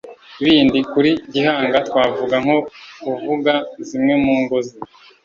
bindi kuri gihanga twavuga nko kuvuga zimwe mu ngo ze